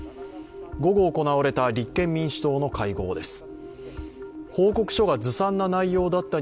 午後行われた立憲民主党の会合です。